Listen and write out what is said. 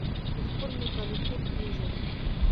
چې خپل مکلفیت پیژني.